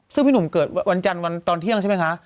ซึ่งพี่หนุ่มเกิดวันจันทร์วันตอนเที่ยงใช่ไหมคะ